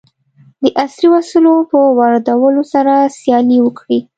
د عصري وسلو په واردولو سره سیالي وکړي.